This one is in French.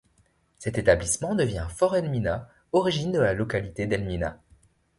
Cet établissement devient Fort Elmina, origine de la localité d'Elmina.